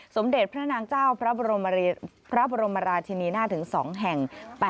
สมเด็จพระนางเจ้าพระบรมราชินีน่าถึง๒แห่ง